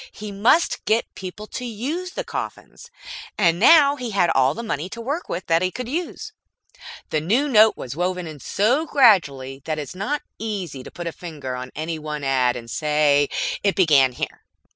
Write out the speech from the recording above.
He must get people to use the coffins; and now he had all the money to work with that he could use. The new note was woven in so gradually that it is not easy to put a finger on any one ad and say, "It began here."